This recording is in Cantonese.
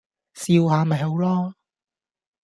笑下咪好囉